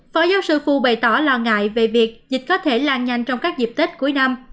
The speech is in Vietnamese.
phó giáo sư phù bày tỏ lo ngại về việc dịch có thể lan nhanh trong các dịp tết cuối năm